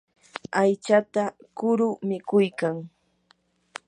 aychata kuru mikuykan.